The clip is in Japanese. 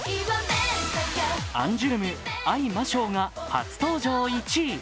アンジュルム「愛・魔性」が初登場１位。